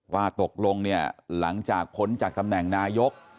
ว่าตกลงหลังจากผลจากตำแหน่งนายก